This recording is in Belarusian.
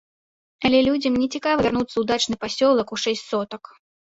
Але людзям не цікава вярнуцца ў дачны пасёлак, у шэсць сотак.